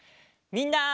みんな。